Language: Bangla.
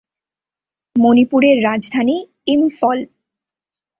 মণিপুরের রাজধানী ইম্ফল।